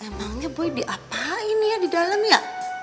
emangnya boy diapain ya di dalam ya